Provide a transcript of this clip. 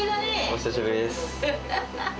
お久しぶりです。